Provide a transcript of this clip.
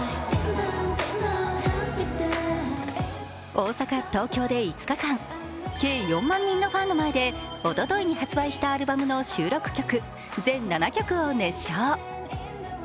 大阪、東京で５日間、計４万人のファンの前でおとといに発売したアルバムの収録曲全７曲を熱唱。